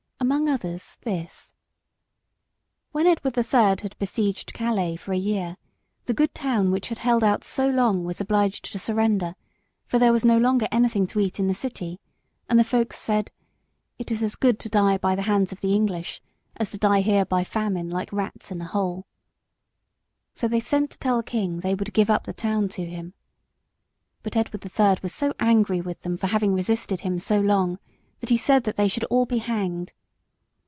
Among others, this: [Sidenote: A.D. 1347.] When Edward the Third had besieged Calais for a year, the good town which had held out so long was obliged to surrender, for there was no longer anything to eat in the city, and the folks said: "It is as good to die by the hands of the English as to die here by famine like rats in a hole." So they sent to tell the king they would give up the town to him. But Edward the Third was so angry with them for having resisted him so long, that he said that they should all be hanged.